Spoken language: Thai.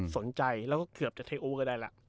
สนใจแล้วก็เกือบจะเทอู้ก็ได้ล่ะ